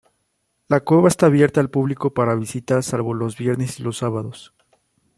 La cueva está abierta al público para visitas salvo los viernes y los sábados.